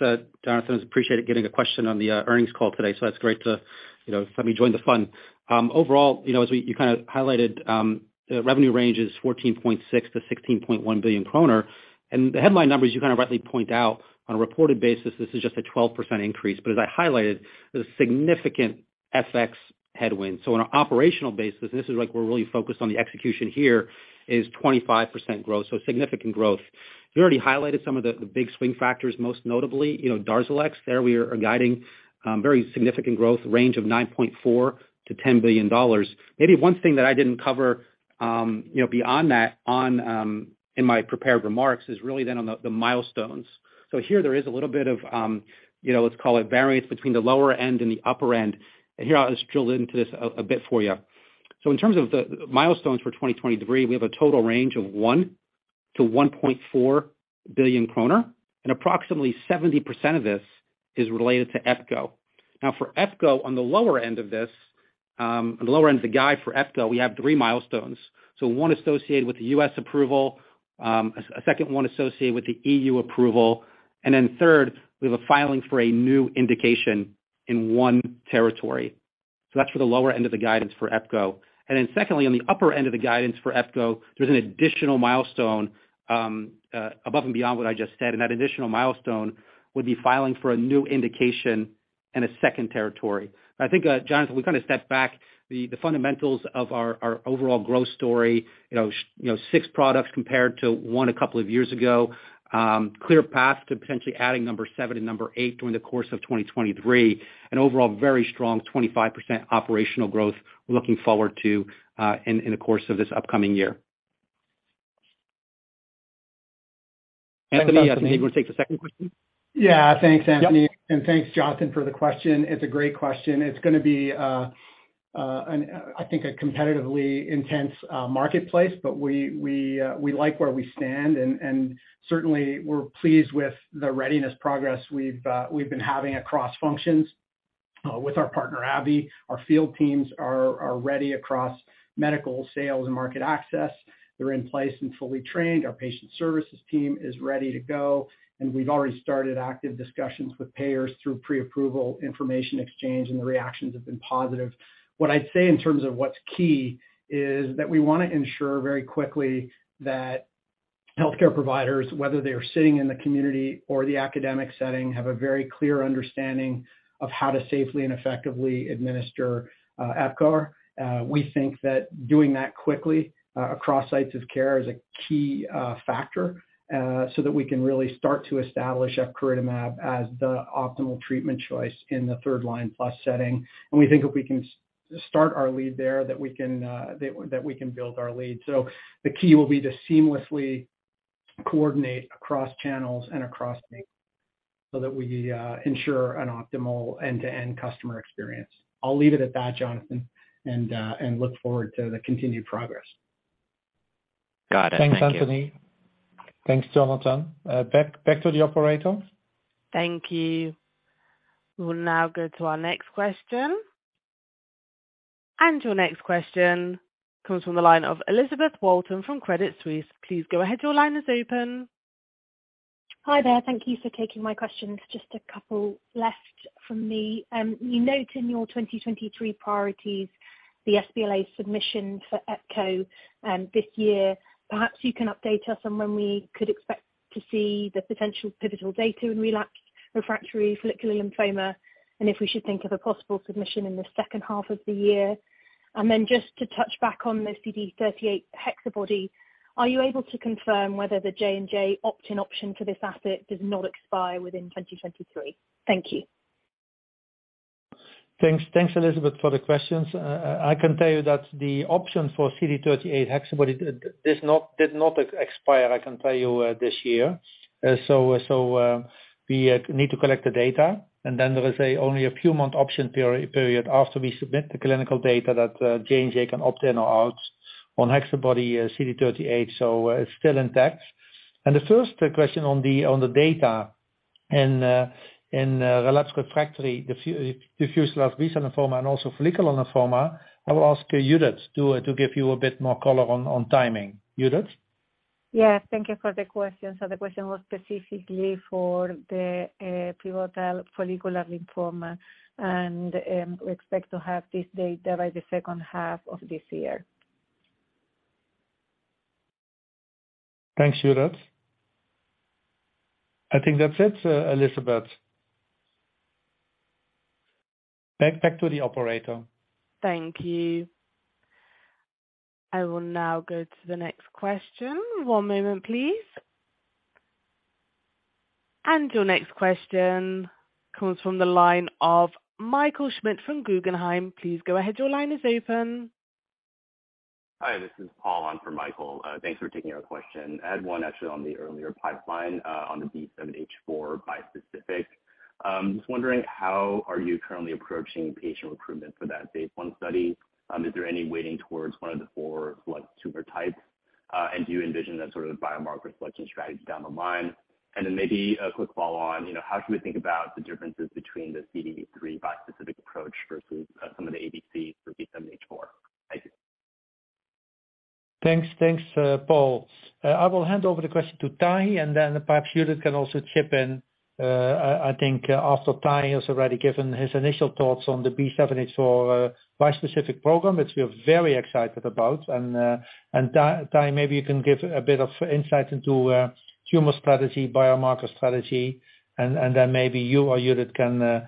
Jonathan. Appreciate it, getting a question on the earnings call today, so that's great to, you know, let me join the fun. Overall, you know, as you kind of highlighted, the revenue range is 14.6 billion-16.1 billion kroner. The headline numbers, you kind of rightly point out, on a reported basis, this is just a 12% increase. As I highlighted, there's a significant FX headwind. On an operational basis, and this is, like, we're really focused on the execution here, is 25% growth, so significant growth. We already highlighted some of the big swing factors, most notably, you know, DARZALEX. There we are guiding a very significant growth range of $9.4 billion-$10 billion. Maybe one thing that I didn't cover, you know, beyond that on, in my prepared remarks is really then on the milestones. Here there is a little bit of, you know, let's call it variance between the lower end and the upper end. Here I'll just drill into this a bit for you. In terms of the milestones for 2023, we have a total range of 1 billion-1.4 billion kroner, and approximately 70% of this is related to epcoritamab. For epcoritamab, on the lower end of this, on the lower end of the guide for epcoritamab, we have three milestones. One associated with the U.S. approval, a second one associated with the E.U. approval, and then third, we have a filing for a new indication in one territory. That's for the lower end of the guidance for epcoritamab. Secondly, on the upper end of the guidance for epcoritamab, there's an additional milestone above and beyond what I just said, and that additional milestone would be filing for a new indication in a second territory. I think, Jonathan, we kind of stepped back the fundamentals of our overall growth story. You know, you know, six products compared to one a couple of years ago. Clear path to potentially adding number seven and number eight during the course of 2023. Overall very strong 25% operational growth we're looking forward to in the course of this upcoming year. Anthony, I think you want to take the second question? Yeah. Thanks, Anthony. Yep. Thanks, Jonathan, for the question. It's a great question. It's gonna be an I think a competitively intense marketplace, but we like where we stand and certainly we're pleased with the readiness progress we've been having across functions with our partner, AbbVie. Our field teams are ready across medical, sales, and market access. They're in place and fully trained. Our patient services team is ready to go. We've already started active discussions with payers through pre-approval information exchange, and the reactions have been positive. What I'd say in terms of what's key is that we wanna ensure very quickly that healthcare providers, whether they are sitting in the community or the academic setting, have a very clear understanding of how to safely and effectively administer EPKINLY. We think that doing that quickly across sites of care is a key factor so that we can really start to establish epcoritamab as the optimal treatment choice in the third line plus setting. We think if we can start our lead there, that we can build our lead. The key will be to seamlessly coordinate across channels and across the so that we ensure an optimal end-to-end customer experience. I'll leave it at that, Jonathan, and look forward to the continued progress. Got it. Thank you. Thanks, Anthony. Thanks, Jonathan. back to the operator. Thank you. We'll now go to our next question. Your next question comes from the line of Elizabeth Walton from Credit Suisse. Please go ahead. Your line is open. Hi there. Thank you for taking my questions. Just a couple left from me. You note in your 2023 priorities the sBLA submission for epcoritamab this year. Perhaps you can update us on when we could expect to see the potential pivotal data in relapsed refractory follicular lymphoma, and if we should think of a possible submission in the second half of the year. Then just to touch back on the CD38 HexaBody, are you able to confirm whether the J&J opt-in option for this asset does not expire within 2023? Thank you. Thanks. Thanks, Elizabeth, for the questions. I can tell you that the option for CD38 HexaBody did not expire, I can tell you this year. We need to collect the data, and then there is only a few month option period after we submit the clinical data that J&J can opt in or out on HexaBody-CD38. It's still intact. The first question on the data in relapsed refractory diffuse large B-cell lymphoma and also follicular lymphoma, I will ask Judith to give you a bit more color on timing. Judith? Yeah. Thank you for the question. The question was specifically for the pivotal follicular lymphoma and we expect to have this data by the second half of this year. Thanks, Judith. I think that's it, Elizabeth. Back to the operator. Thank you. I will now go to the next question. One moment please. Your next question comes from the line of Michael Schmidt from Guggenheim. Please go ahead. Your line is open. Hi, this is Paul on for Michael. Thanks for taking our question. I had one actually on the earlier pipeline, on the B7-H4 bispecific. Just wondering how are you currently approaching patient recruitment for that phase I study? Is there any weighting towards one of the four select tumor types? Do you envision that sort of biomarker selection strategy down the line? Then maybe a quick follow on, you know, how should we think about the differences between the CD3 bispecific approach versus some of the ADC for B7-H4? Thank you. Thanks, Paul. I will hand over the question to Tahi, and then perhaps Judith can also chip in. I think after Tahi has already given his initial thoughts on the B7-H4 bispecific program, which we're very excited about. Tahi, maybe you can give a bit of insight into tumor strategy, biomarker strategy, and then maybe you or Judith can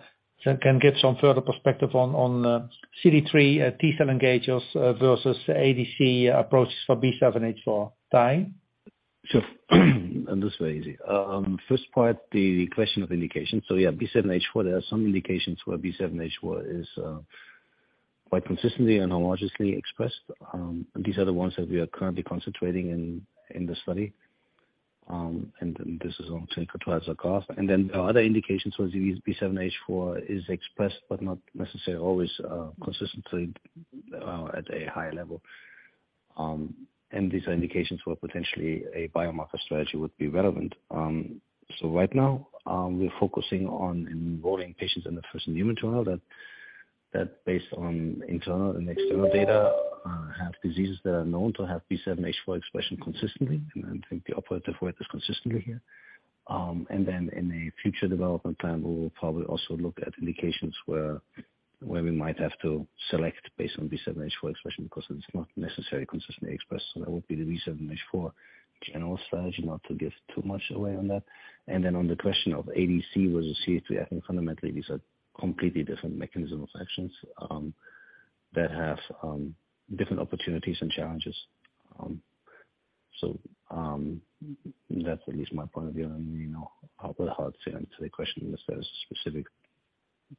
give some further perspective on CD3, T-cell engagers, versus ADC approaches for B7-H4. Tahi? Sure. Understand, easy. First part, the question of indication. B7-H4, there are some indications where B7-H4 is quite consistently and homologously expressed. These are the ones that we are currently concentrating in the study. This is on, say, for twice the cost. Our other indications was B7-H4 is expressed, but not necessarily always consistently at a high level. These are indications where potentially a biomarker strategy would be relevant. Right now, we're focusing on involving patients in the first human trial that based on internal and external data, have diseases that are known to have B7-H4 expression consistently, and I think the operative word is consistently here. Then in a future development plan, we'll probably also look at indications where we might have to select based on B7-H4 expression, because it's not necessarily consistently expressed. That would be the B7-H4 general strategy, not to give too much away on that. Then on the question of ADC versus CD3, I think fundamentally these are completely different mechanism of actions that have different opportunities and challenges. That's at least my point of view and, you know, a bit hard to answer the question in the sense of specific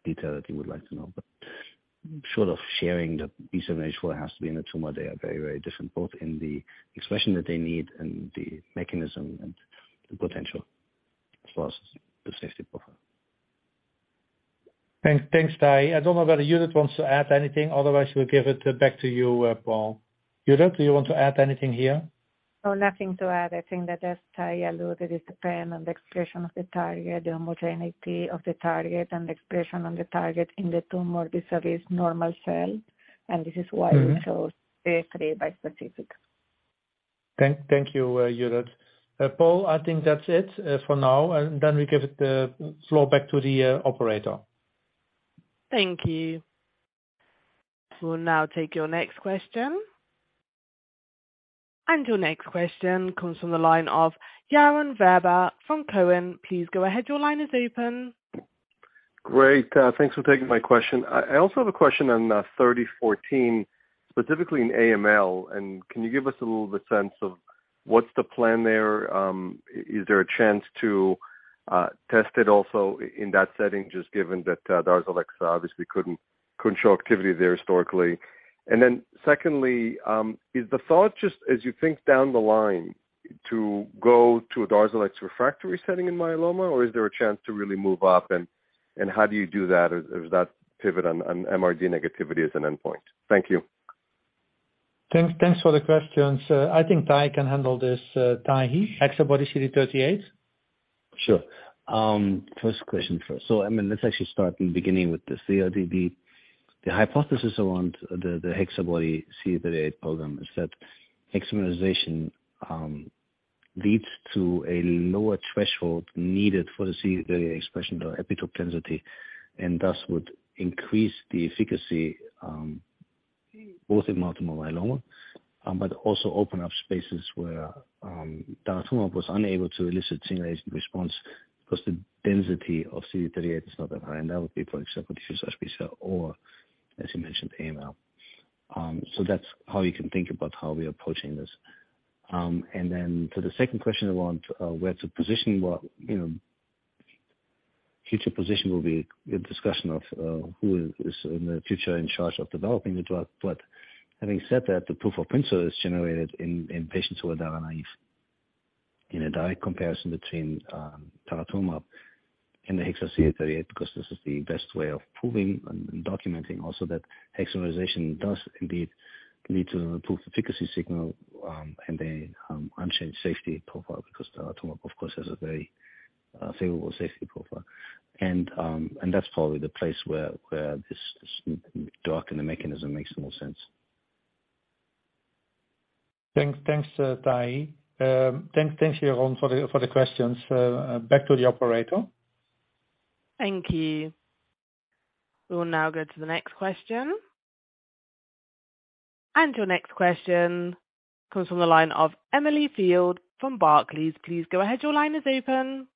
detail that you would like to know. Short of sharing the B7-H4 has to be in a tumor, they are very, very different, both in the expression that they need and the mechanism and the potential for the safety profile. Thanks. Thanks, Tahi. I don't know whether Judith wants to add anything, otherwise we'll give it back to you, Paul. Judith, do you want to add anything here? No, nothing to add. I think that as Tahi alluded, it depend on the expression of the target, the homogeneity of the target and expression on the target in the tumor versus normal cell, this is why- Mm-hmm. We chose CD3 bispecific. Thank you, Judith. Paul, I think that's it for now, and then we give it floor back to the operator. Thank you. We'll now take your next question. Your next question comes from the line of Yaron Werber from Cowen. Please go ahead. Your line is open. Great. Thanks for taking my question. I also have a question on GEN3014, specifically in AML. Can you give us a little of a sense of what's the plan there? Is there a chance to test it also in that setting, just given that DARZALEX obviously couldn't show activity there historically? Secondly, is the thought just as you think down the line to go to a DARZALEX refractory setting in myeloma, or is there a chance to really move up and how do you do that? Is that pivot on MRD negativity as an endpoint? Thank you. Thanks. Thanks for the questions. I think Tahi can handle this, Tahi, HexaBody-CD38. Sure. I mean, let's actually start in the beginning with the CRAB. The hypothesis around the HexaBody-CD38 program is that hexamerization leads to a lower threshold needed for the CD38 expression or epitope density, and thus would increase the efficacy both in multiple myeloma, but also open up spaces where daratumumab was unable to elicit senior agent response because the density of CD38 is not that high. That would be, for example, diffuse large B-cell or, as you mentioned, AML. That's how you can think about how we're approaching this. Then to the second question around where to position what, you know, future position will be a discussion of who is in the future in charge of developing the drug. Having said that, the proof of principle is generated in patients who are daratumumab naive in a direct comparison between daratumumab and the Hexa-CD38, because this is the best way of proving and documenting also that hexamerization does indeed lead to improved efficacy signal and a unchanged safety profile. Because daratumumab, of course, has a very favorable safety profile. That's probably the place where this dock in the mechanism makes the most sense. Thanks, Tahi. Thanks, Yaron for the questions. Back to the operator. Thank you. We will now go to the next question. Your next question comes from the line of Emily Field from Barclays. Please go ahead. Your line is open.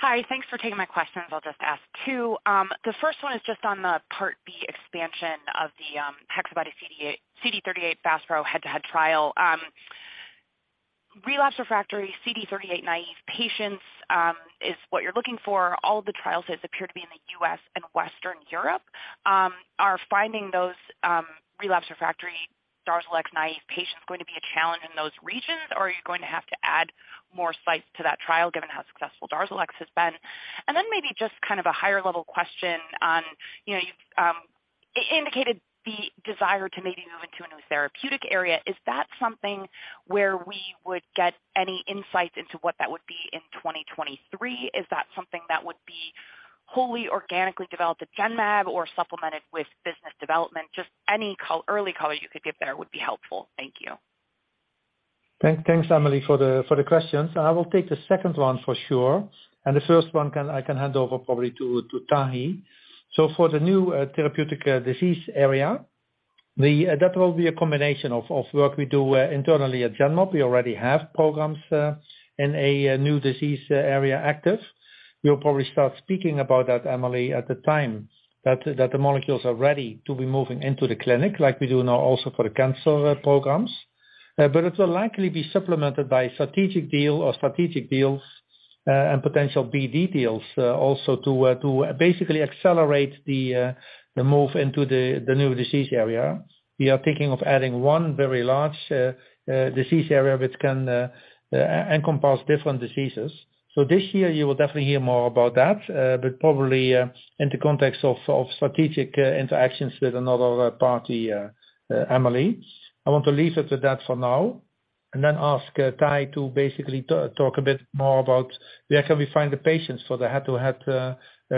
Hi. Thanks for taking my questions. I'll just ask two. The first one is just on the part B expansion of the HexaBody-CD38 FASPRO head-to-head trial. Relapse refractory CD38 naive patients is what you're looking for. All of the trials that appear to be in the U.S. and Western Europe are finding those relapse refractory DARZALEX naive patients going to be a challenge in those regions or are you going to have to add more sites to that trial given how successful DARZALEX has been? Maybe just kind of a higher level question on, you know, you've indicated the desire to maybe move into a new therapeutic area. Is that something where we would get any insights into what that would be in 2023? Is that something that would be wholly organically developed at Genmab or supplemented with business development? Just any early color you could give there would be helpful. Thank you. Thanks, Emily, for the, for the questions. I will take the second one for sure, and the first one I can hand over probably to Tahi. For the new therapeutic disease area, that will be a combination of work we do internally at Genmab. We already have programs in a new disease area active. We'll probably start speaking about that, Emily, at the time that the molecules are ready to be moving into the clinic like we do now also for the cancer programs. But it will likely be supplemented by strategic deal or strategic deals, and potential BD deals also to basically accelerate the move into the new disease area. We are thinking of adding one very large disease area which can encompass different diseases. This year you will definitely hear more about that, but probably in the context of strategic interactions with another party, Emily, I want to leave it at that for now and then ask Tahi to basically talk a bit more about where can we find the patients for the head-to-head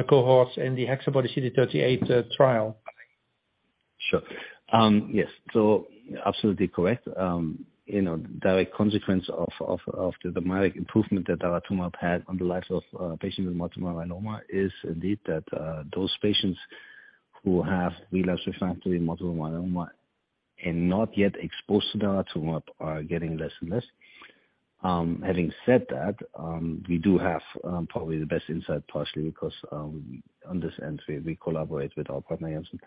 cohorts in the HexaBody-CD38 trial. Sure. Yes, absolutely correct. You know, direct consequence of the dramatic improvement that daratumumab had on the lives of patients with multiple myeloma is indeed that those patients who have relapsed refractory multiple myeloma and not yet exposed to daratumumab are getting less and less. Having said that, we do have probably the best insight, partially because on this end, we collaborate with our partner Janssen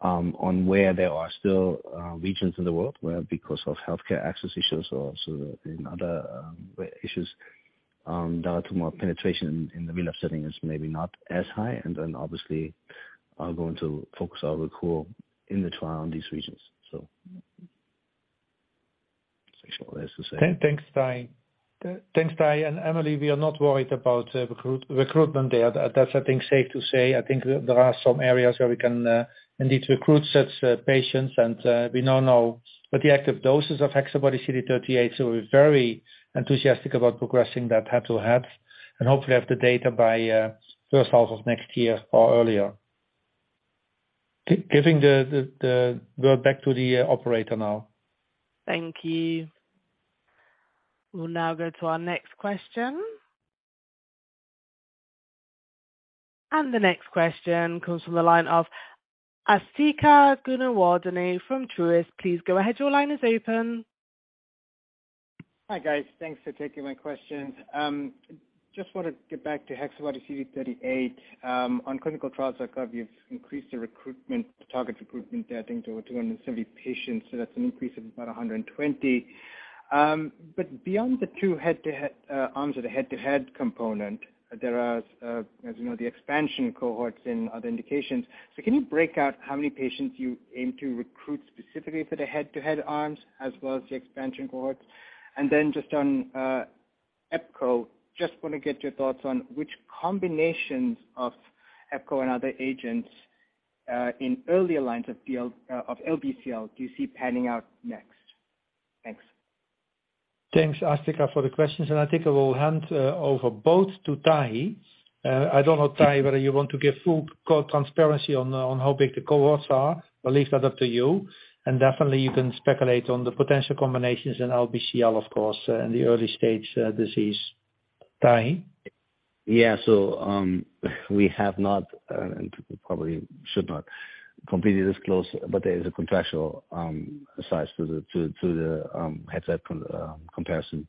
on where there are still regions in the world where because of healthcare access issues or so in other issues, daratumumab penetration in the relapsed setting is maybe not as high. Obviously are going to focus our recruit in the trial in these regions. That's all there is to say. Thanks, Tahi. Emily, we are not worried about recruitment there. That's, I think, safe to say. I think there are some areas where we can indeed recruit such patients. We now know with the active doses of HexaBody-CD38, so we're very enthusiastic about progressing that head to head and hopefully have the data by first half of next year or earlier. Giving the floor back to the operator now. Thank you. We'll now go to our next question. The next question comes from the line of Asthika Goonewardene from Truist. Please go ahead. Your line is open. Hi, guys. Thanks for taking my questions. Just wanna get back to HexaBody-CD38. On ClinicalTrials.gov, you've increased the recruitment, the target recruitment there, I think, to 270 patients, so that's an increase of about 120. Beyond the two head-to-head, arms of the head-to-head component, there are, as you know, the expansion cohorts in other indications. Can you break out how many patients you aim to recruit specifically for the head-to-head arms as well as the expansion cohorts? Just on, epcoritamab, just wanna get your thoughts on which combinations of epcoritamab and other agents, in earlier lines of DLBCL do you see panning out next? Thanks. Thanks, Asthika, for the questions. I think I will hand over both to Tahi. I don't know, Tahi, whether you want to give full co- transparency on on how big the cohorts are. I'll leave that up to you. Definitely you can speculate on the potential combinations in LBCL, of course, in the early stage, disease. Tahi? Yeah. We have not and probably should not completely disclose, but there is a contractual size to the head-to-head comparison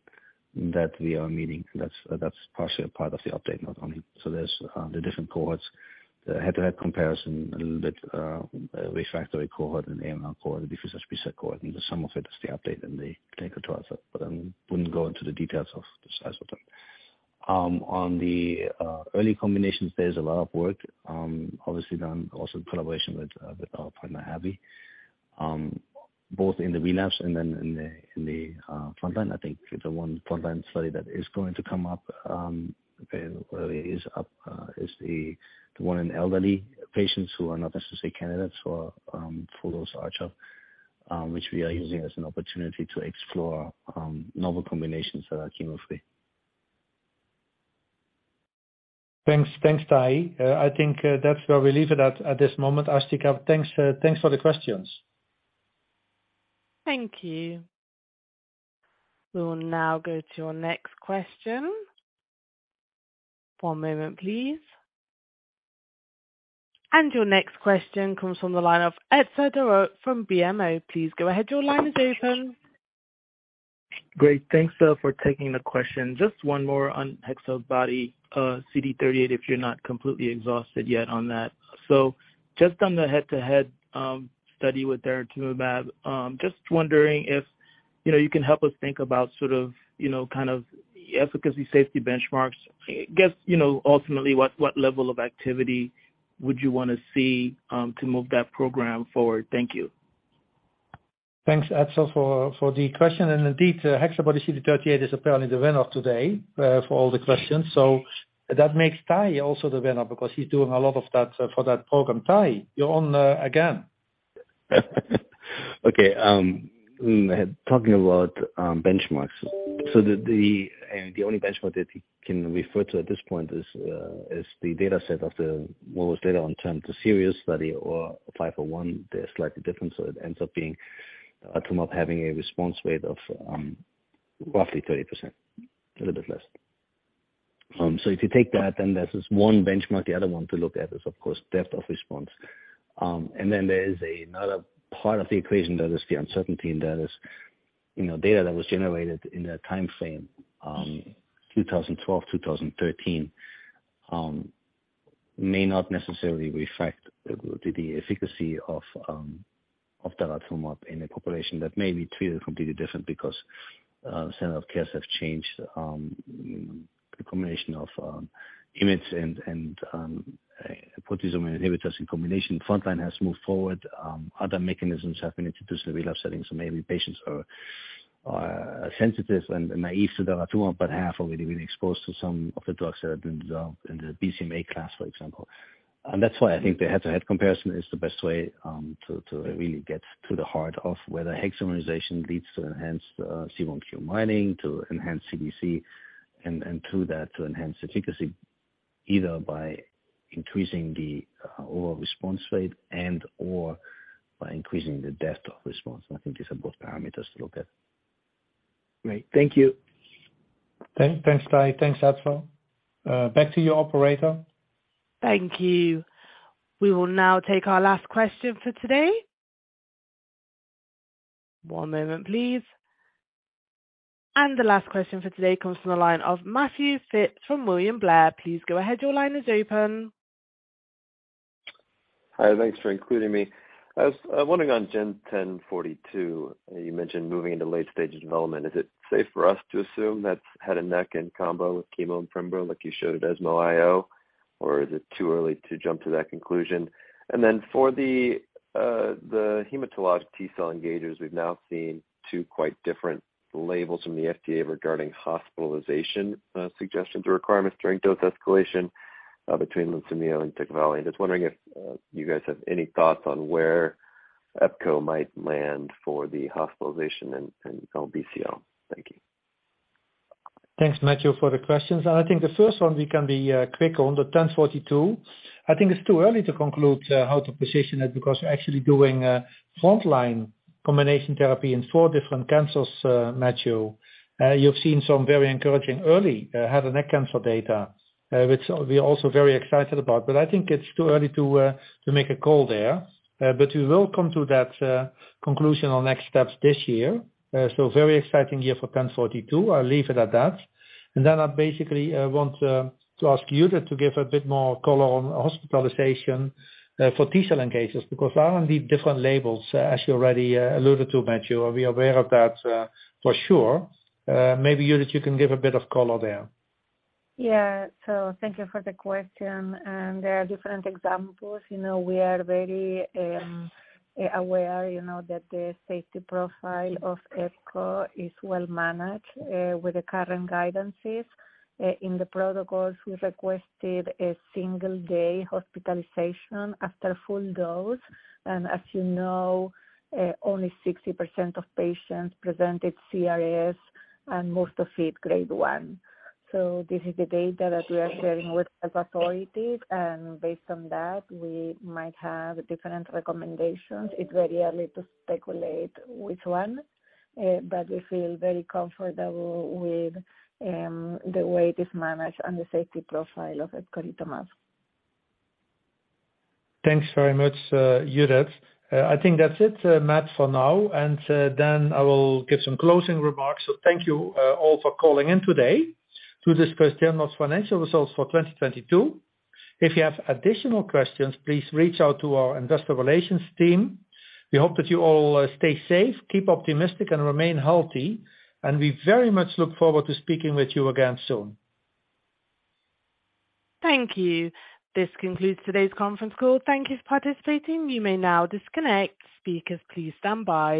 that we are meeting. That's partially a part of the update, not only. There's the different cohorts, the head-to-head comparison a little bit refractory cohort and AMR cohort, the registration set cohort, and the sum of it is the update in the clinical trials. I wouldn't go into the details of the size of them. On the early combinations, there's a lot of work obviously done also in collaboration with our partner AbbVie, both in the relapse and then in the frontline.I think the one frontline study that is going to come up very early is the one in elderly patients who are not necessarily candidates for full dose Arzerra, which we are using as an opportunity to explore novel combinations that are chemo-free. Thanks. Thanks, Tahi. I think, that's where we leave it at this moment. Astika, thanks for the questions. Thank you. We will now go to our next question. One moment, please. Your next question comes from the line of Etzer Darout from BMO. Please go ahead. Your line is open. Great. Thanks for taking the question. Just one more on HexaBody-CD38, if you're not completely exhausted yet on that. Just on the head-to-head study with daratumumab, just wondering if, you know, you can help us think about sort of, you know, kind of efficacy, safety benchmarks. I guess, you know, ultimately, what level of activity would you wanna see to move that program forward? Thank you. Thanks, Etzer, for the question. Indeed, HexaBody-CD38 is apparently the winner today for all the questions. That makes Tahi also the winner because he's doing a lot of that for that program. Tahi, you're on again. Okay, talking about benchmarks. The only benchmark that you can refer to at this point is the data set of the most data on term to serious study or 5.1. They're slightly different, so it ends up having a response rate of roughly 30%, a little bit less. If you take that, there's this one benchmark. The other one to look at is, of course, depth of response. There is another part of the equation that is the uncertainty, and that is, you know, data that was generated in a timeframe, 2012, 2013, may not necessarily reflect the efficacy of daratumumab in a population that may be treated completely different because standard of cares have changed, the combination of IMiDs and proteasome inhibitors in combination. Frontline has moved forward. Other mechanisms have been introduced in the relapse setting, so maybe patients are sensitive and naive to daratumumab, but half have already been exposed to some of the drugs that have been developed in the BCMA class, for example. That's why I think the head-to-head comparison is the best way, to really get to the heart of whether hexamerization leads to enhanced C1q mining, to enhanced CDC, and through that, to enhanced efficacy, either by increasing the overall response rate and/or by increasing the depth of response. I think these are both parameters to look at. Great. Thank you. Thanks, Tahi. Thanks, Etzer. Back to you, operator. Thank you. We will now take our last question for today. One moment, please. The last question for today comes from the line of Matthew Phipps from William Blair. Please go ahead. Your line is open. Hi. Thanks for including me. I was wondering on GEN1042, you mentioned moving into late stage development. Is it safe for us to assume that's head and neck and combo with chemo and pembro, like you showed ESMO IO, or is it too early to jump to that conclusion? For the hematologic T-cell engagers, we've now seen two quite different labels from the FDA regarding hospitalization suggestions or requirements during dose escalation between LUNSUMIO and TECVAYLI. Just wondering if you guys have any thoughts on where epco might land for the hospitalization and BCL. Thank you. Thanks, Matthew, for the questions. I think the first one we can be quick on the 1042. I think it's too early to conclude how to position it because actually doing a frontline combination therapy in four different cancers, Matthew, you've seen some very encouraging early head and neck cancer data, which we are also very excited about, but I think it's too early to make a call there. We will come to that conclusion on next steps this year. Very exciting year for 1042. I'll leave it at that. Then I basically want to ask Judith to give a bit more color on hospitalization for T-cell engagers because there are indeed different labels, as you already alluded to, Matthew. We are aware of that for sure. Maybe, Judith, you can give a bit of color there. Yeah. Thank you for the question. There are different examples. You know, we are very aware, you know, that the safety profile of epcoritamab is well managed with the current guidances. In the protocols, we requested a single day hospitalization after full dose. As you know, only 60% of patients presented CRS and most of it Grade 1. This is the data that we are sharing with health authorities, and based on that, we might have different recommendations. It's very early to speculate which one, but we feel very comfortable with the way it is managed and the safety profile of epcoritamab. Thanks very much, Judith. I think that's it, Matt, for now. I will give some closing remarks. Thank you all for calling in today to discuss Genmab's financial results for 2022. If you have additional questions, please reach out to our industrial relations team. We hope that you all stay safe, keep optimistic, and remain healthy. We very much look forward to speaking with you again soon. Thank you. This concludes today's conference call. Thank you for participating. You may now disconnect. Speakers, please stand by.